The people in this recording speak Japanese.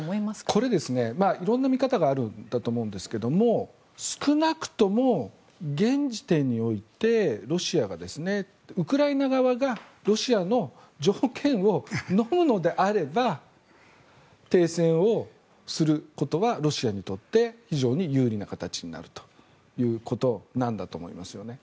これは色んな見方があると思うんですが少なくとも現時点においてウクライナ側がロシアの条件をのむのであれば停戦をすることはロシアにとって非常に有利な形になるということなんだと思いますよね。